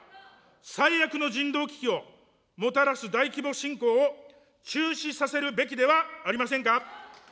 最悪の人道危機をもたらす大規模侵攻を中止させるべきではありませんか。